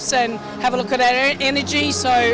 dan mempelajari banyak hal dari swbl